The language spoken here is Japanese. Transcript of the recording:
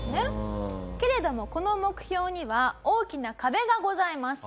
けれどもこの目標には大きな壁がございます。